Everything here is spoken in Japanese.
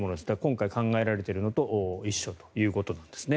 今回考えられているものと一緒ということですね。